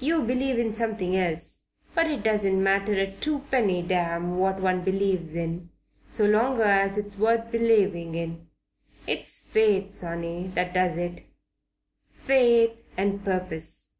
You believe in something else. But it doesn't matter a tuppenny damn what one believes in, so long as it's worth believing in. It's faith, sonny, that does it. Faith and purpose."